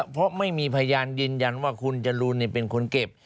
เพราะไม่มีพยานยืนยันว่าคุณจรูนเป็นคนเก็บ